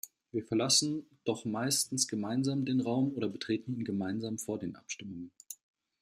Wir verlassen doch meistens gemeinsam den Raum oder betreten ihn gemeinsam vor den Abstimmungen.